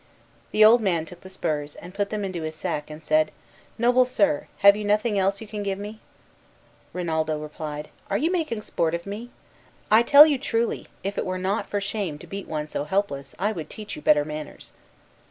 The old man took the spurs, and put them into his sack, and said, "Noble sir, have you nothing else you can give me?" Rinaldo replied, "Are you making sport of me? I tell you truly if it were not for shame to beat one so helpless, I would teach you better manners."